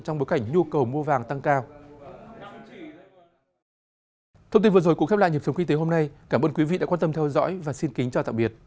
trong bối cảnh nhu cầu mua vàng tăng cao